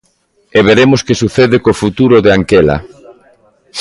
E veremos que sucede co futuro de Anquela.